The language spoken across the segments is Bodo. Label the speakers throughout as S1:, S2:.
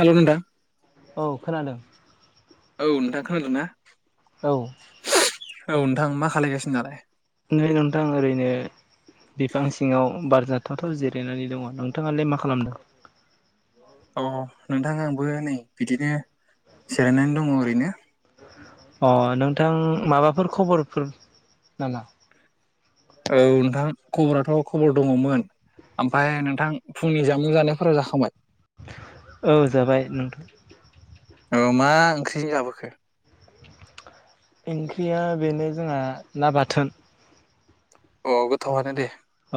S1: हेल' नोंथां।
S2: औ खोनादों।
S1: औ नोंथां खोनादोंना।
S2: औ।
S1: औ नोंथां मा खालायगासिनो दालाय?
S2: नै नोंथां ओरैनो बिफां सिङाव बार जादों। बारजाथावथाव जिरायनानै दङ नोंथाङालाय मा खालामदों।
S1: अ नोंथां आंबो नै बिदिनो जिरायनानै दङ ओरैनो।
S2: अ नोंथां माबाफोर खबरफोर नामा?
S1: औ नोंथां खबराथ' खबर दङमोन ओमफ्राय नोंथां फुंनि जामुं जानायफोरा जाखांबाय।
S2: औ जाबाय नोंथां।
S1: औ मा ओंख्रिजों जाबोखो?
S2: ओंख्रिया बेनो जोंहा ना बाथोन।
S1: अ गोथावआनो दे।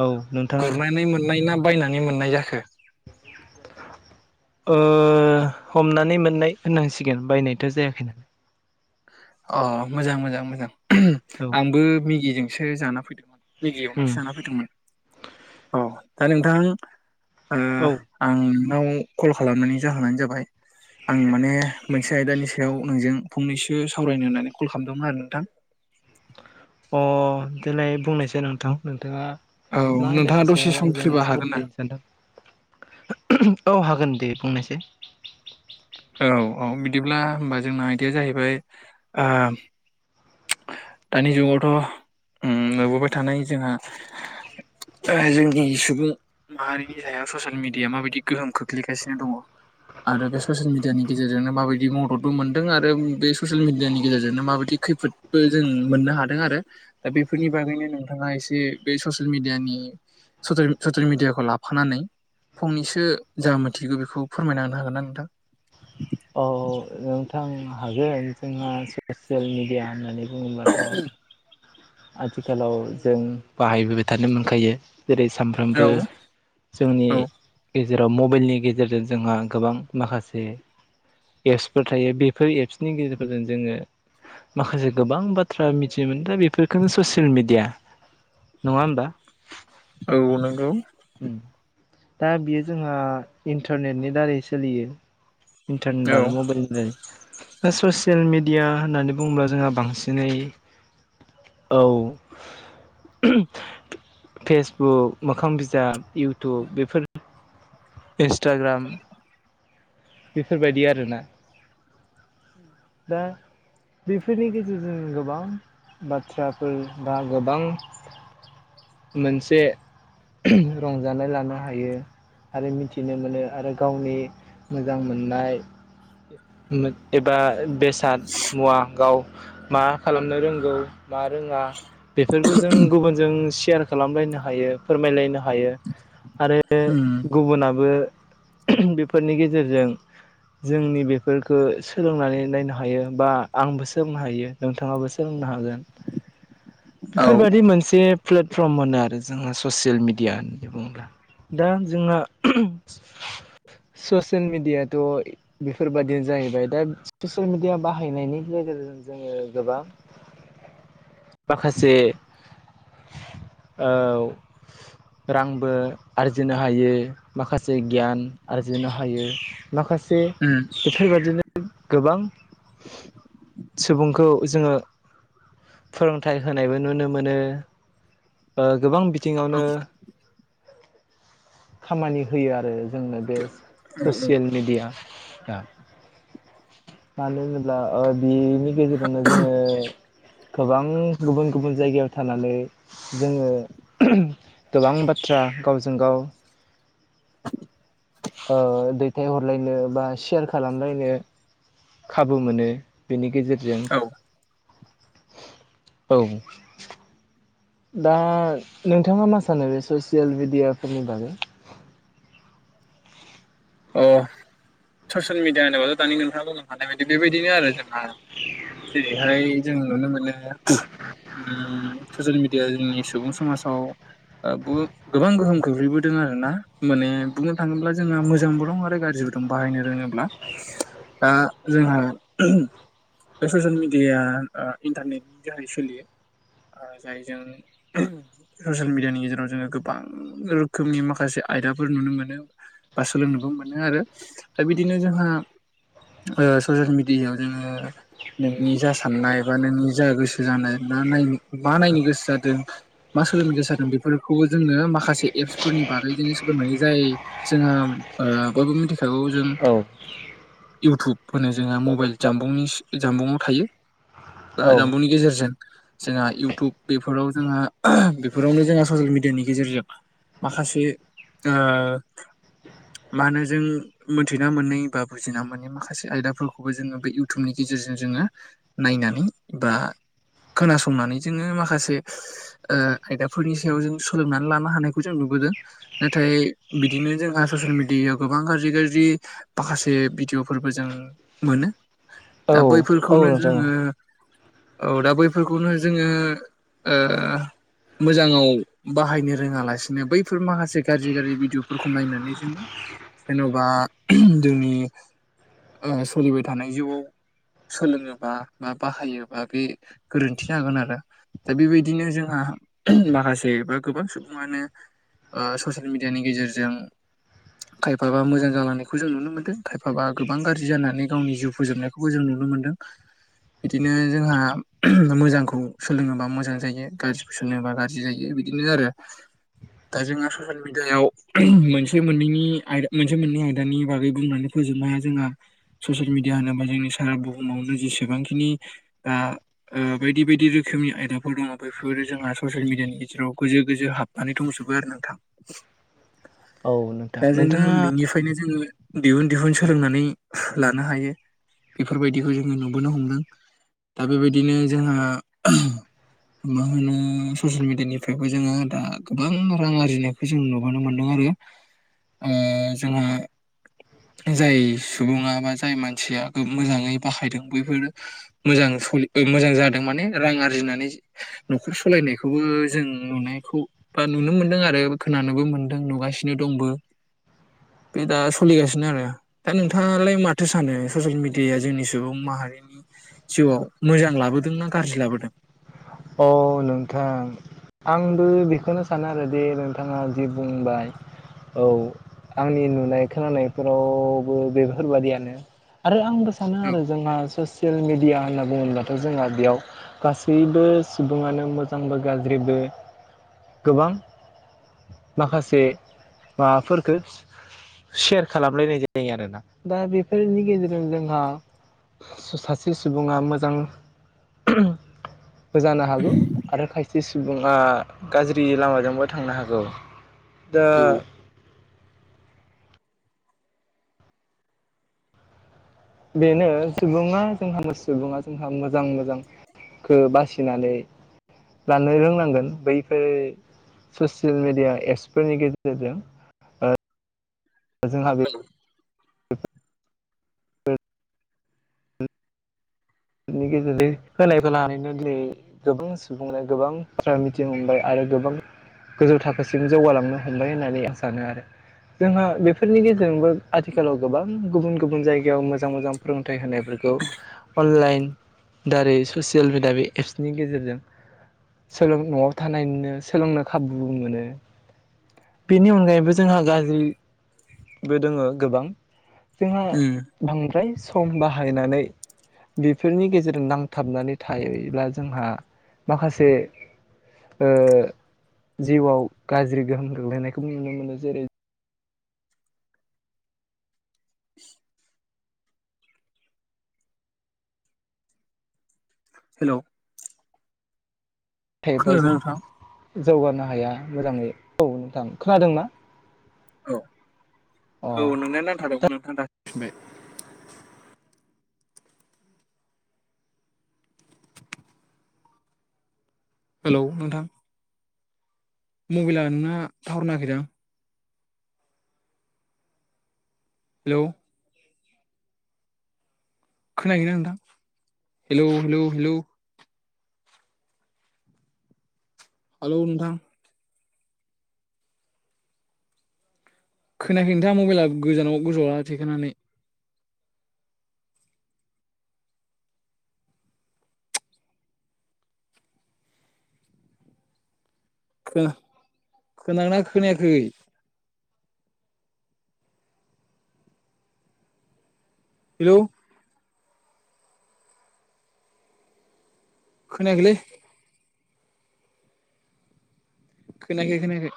S2: औ नोंथाङालाय
S1: गुरनानैय मोननाय ना बायनानै मोननाय जाखो।
S2: हमनानै मोननाय होननांसिगोन बायनायथ' जायाखै नालाय।
S1: अ मोजां मोजां मोजां।
S2: औ
S1: आंबो मिगिजों एसे जाना फैदोंमोन। मिगि
S2: उम
S1: एवनायसो जाना फैदोंमोन औ। दा नोंथां।
S2: औ
S1: आं। नोंनाव कल खालामनानै जाहोनानो जाबाय आं माने मोनसे आयदानि सायाव नोंजों फंनैसो सावरायनो होननानै कल खालामदोंमोन आरो नोंथां।
S2: अ देलाय बुंनायसाय नोंथां नोंथाङा।
S1: औ
S2: मा
S1: नोंथाङा
S2: आइदानि
S1: दसे
S2: सायाव
S1: सम
S2: आंजों
S1: फ्रिबा हागोन ना?
S2: सावरायलायनो सानदों। औ हागोन दे बुंनायसाय।
S1: औ औ बिदिब्ला होमबा जोंना आइदाया जाहैबाय। दानि जुगावथ' नुबोबाय थानाय जोंहा जोंनि सुबुं माहारिनि सायाव ससियेल मिडिया माबायदि गोहोम खोख्लैगासिनो दङ आरो बे ससियेल मिडियानि गेजेरजोंनो माबायदि मददबो मोनदों आरो बे ससियेल मिडियानि गेजेरजोंनो माबायदि खैफोदबो जों मोननो हादों आरो दा बेफोरनि बागैनो नोंथाङा एसे बे ससिल मिडियानि ससियेल मिडियाखौ लाफानानै फंनैसो जा मोनथिगौ बेखौ फोरमायनांनो हागोनना नोंथां।
S2: औ नोंथां हागोन जोंहा ससियेल मिडिया होननानै रुमन मट' आथिखालाव जों बाहायबोबाय थानो मोनखायो जेरै सानफ्रोमबो
S1: औ
S2: जोंनि जेराव मबाइलनि गेजेरजों जोंहा गोबां माखासे एप्स फोर थायो बेफोर एप्सनि गेजेरफोरजों जोङो माखासे गोबां बाथ्रा मिथिनो मोनो दा बेफोरफोरखौनो ससियेल मेडिया नङा होमबा?
S1: औ नोंगौ।
S2: उम दा बियो जोंहा इन्टारनेटनि दारै सोलियो। इन्टारनेट आरो मबाइलनिफ्राय ससियेल मेडिया होननानै बुङोब्ला जोंहा बांसिनै औ फेसबुक मोखां बिज जाब इउटुब बेफोर इन्सटाग्राम बेफोरबायदि आरोना?
S1: [inaudible]
S2: बेफोरनि गेजेरजों गोबां बाथ्राफोर बा गोबां मोनसे रंजानाय लानो हायो आरो मिथिनो मोनो आरो गावनि मोजां मोननाय मो एबा बेसाद मुवा गाव मा खालामनो रोंगौ मा रोङा बेफोरखौ जों गुबुनजों सेशयार खालामलायनो हायो फोरमायलायनो हायो आरो गुबुनाबो बेफोरनि गेजे गेजेरजों जोंनि बेफोरखौ सोलोंनानै नायनो हायो बा आंबो सोलोंनो हायो नोंथाङाबो सोलोंनो हागोन बेफोरबायादि मोनसे प्लेटफर्म होनो आरो जोंहा ससियेल मिडिया होननानै बुङोब्ला दा जोंना ससियेल मेडियाथ' बेफोरबादिनो जाहैबाय दा ससिल मिडिया बाहायनायनि गेजेरजों जोङो गोबां माखासे औ रांबो आरजिनो हायो माखासे गियान आरजिनो हायो। माखासे बेफोरबादिनो गोबां सुबुंखौ जोङो फोरोंथाइ होनायबो नुनो मोनो बा गोबां बिथिङावनो खामानि होयो आरो जोंनो बे ससियेल मेडिया [unintelligible] मानो होनोब्ला ओ बिनि गेजेरजोंनो जोङो गोबां गुबुन गुबुन जायगायाव थानानै जोङो गोबां बाथ्रा गाव जों गाव ओ दैथाय हरलायनो बा सेयार खालामलायनो खाबु मोनो बेनि गेजेर जों
S1: औ
S2: औ, दा नोंथाङा मा सानो बे ससियेल मेडियाफोरनि बागै?
S1: अ' ससियेल मिडियानि बागै दानि नोंथाङा बुंलांखानाय बायदि बेबायदिनो आरो जोंहा जेरैहाय जों नुनो मोनो। [unintelligible] उम ससियेल मिडियानि सुबुं समाजआव ओ बुहुत गोबां गोहोम खोख्लैबोदों आरोना माने बुंनो थाङोब्ला जोङो मो जांबो दं आरो गाज्रिबो दं बाहायनो रोङोब्ला, दा जोंहा बे स'सियेल मिडियाया ओ इन्टारनेटनि जोहै सोलियो ओ जायजों ससियेल मिडियानि गेजेराव जोङो गोबां रोखोमनि माखासे आयदाफोर नुनो मोनो। बा सोलोंनोबो मोनो आरो दा बिदिनो जोंहा ओ स'सियेल मेडियायाव जोङो नोंनि जा साननाय बा नोंनि जा गोसो जानाय ना नाय मा नायनो गोसो जादों मा सोलोंनो गोसो जादों बेफोरखौबो जोङो माखासे एप्सफोरनि बागै जोंनो सोलोंनो हायो जाय जोंहा ओ बयबो मिथिखागौ जों
S2: औ
S1: इउटुब होनो जोंहा मबाइल जामबुंनि जामबुंआव थायो बा
S2: औ
S1: जामबुंनि गेजेरजों जोंहा इउटुब बेफोराव जोंहा बेफोरावनो जोंहा स'सियेल मिडियानि गेजेरजों माखासे ओ मा होनो जों मोनथिना मोनै बा बुजिना मोनै माखासे आयदाफोरखौबो जोङो बे इउटुबनि गेजेरजों जोङो नायनानै बा खोनासंनानै जोङो माखासे ओ आयदाफोरनि सायाव जों सोलोंनानै लानो हानायखौ जों नुबोदों नाथाय बिदिनो जोंहा ससियेल मिडियायाव गोबां गाज्रि गाज्रि माखासे भिडिअ' फोरबो जों मोनो
S2: औ
S1: दा बै
S2: औ
S1: फोरखौनो
S2: नोंथां
S1: जोङो औ दा बैफोरखौनो जोङो ओ मोजाङाव बाहायनो रोङालासिनो बैफोर माखासे गाज्रि गाज्रि भिडिअ'फोरखौ नायनानै जो ङो जेन'बा जोंनि ओ सलिबाय थानाय जिउआव सोलोङोबा बा बाहायोबा बे गोरोन्थि जागोन आरो दा बेबायदिनो जोंहा माखासे बा गोबां सुबुङानो ओ स'सियेल मिडियानि गेजेरजों खायफाबा मोजां जालांनायखौ जों नुनो मोनदों, खायफाबा गोबां गाज्रि जानानै गावनि जिउ फोजोबनायखौबो जों नुनो मोनदों। बिदिनो जोंहा मोजांखौ सोलोङोबा मोजां जायो गाज्रिखौ सोलोङोबा गाज्रि जायो। बिदिनो आरो दा जोंहा ससियेल मिडियायाव मोनसे बे मोननैनि आय मोनसे मोननै आयदानि बागै बुंनानै फोजोबनो हाया जोंना, स'सियेल मिडिया होनोबा जोंनि सारा बुहुमावनो जेसेबांखिनि ओ बायदि बायदि रोखोमनि आयदाफोर दङ बेफोरो जोंहा स'सियेल मिडियानि गेजेराव गोजो गोजो हाबनानै दंजोबो आरो नोंथां।
S2: औ नोंथां
S1: दा जोङो
S2: नोंथाङा
S1: बेनिखायनो जोङो दिहुन दिहुन सोलोंनानै लानो हायो बेफोर बायदिखौ जोङो नुबोनो हमदों दा बेबायदिनो जोंहा मा होनो स'सियेल मिडियानिफ्रायबो जोङो दा गोबां रां आरजिनायखौ जों नुबोनो मोनदों आरो। ओ जोंहा जाय सुबुङा, बा जाय मानसिया मोजाङै बाहायदों बैफोर मोजां सलि ओ मोजां जादों माने रां आरजिनानै न'खर सलायनायखौबो जों नुनायखौ बा नुनो मोनदों आरो खोनानोबो मोनदों, नुगासिनो दंबो। बे दा सोलिगासिनो आरो, दा नोंथाङालाय माथो सानो स'सियेल मिडियाया जोंनि सुबुं माहारिनि जिउआव मोजां लाबोदों ना गाज्रि लाबोदों?
S2: अ' नोंथां आंबो बेखौनो सानो आरो दि नोंथाङा जि बुंबाय, औ आंनि नुनाय खोनानायफोरावबो बेफोरबादियानो आरो आंबो सानो आरो जोंहा स'सियेल मिडिया होनना बुङोब्लाथ' जोंहा बेयाव गासैबो सुबुङानो मोजांबो गाज्रिबो गोबां माखासे माबाफोरखौ सेयार खालामलायनाय जायो आरोना। दा बेफोरनि गेजेरजों जोंहा सासे सुबुङा मोजां [unintelligible] बोजानो हागौ आरो खायसे सुबुङा गाज्रि लामाजोंबो थांनो हागौ। दा
S1: औ
S2: बेनो सुबुङा जोंहा सुबुङा जोंहा मोजां मोजां खो बासिनानै लानो रोंनांगोन बैफोर स'सियेल मेडिया एप्सफोरनि गेजेरजों ओ जोंहा बे नि गेजेरजों होनायखौ लानानैनो दिनै गोबां सुबुंनो गोबां बाथ्रा मिथिनो मोनबाय आरो गोबां गोजौ थाखोसिम जौगालांनो हमबाय होननानै आं सानो आरो। जोंहा बे फोरनि गेजेरजोंबो आथिखालाव गोबां गुबुन गुबुन जायगायाव मोजां मोजां फोरोंथाइ होनायफोरखौ अनलाइन दारै ससियेल मेडिया बे एप्सनि गेजेरजों सोलों न'आव थानायनैनो सोलोंनो खाबुबो मोनो। बेनि अनगायैबो जोंहा गाज्रिबो दोङो गोबां जोंहा
S1: उम
S2: दांनिफ्राय सम बाहायनानै बेफोरनि गेजेरजों नांथाबनानै थायोब्ला जोंहा माखासे ओ जिउआव गाज्रि गोहोम गोग्लैनायखौ नुनो मोनो जेरै-
S1: हेल'
S2: थायोब्ला
S1: खोनादोंना
S2: जों
S1: नोंथां?
S2: जौगानो हाया मोजाङै औ नोंथां खोनादों ना?
S1: औ औ नोंनिया नांथाबदोंमोन नोंथां दा फिनबाय हेलौ नोंथां मबाइला नोंना टावार नाङाखैदां। हेलौ खोनायाखैना नोंथां हेलौ हेलौ हेलौ हालौ नोंथां खोनायाखै नोंथां मबाइला गोजानाव गोजौआव ला थिखोनानै। खोआ खोनागोना खोनायाखै? हेलौ खोनायाखैलै। खोनायाखै खोनायाखै।